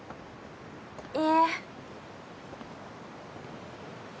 いえ。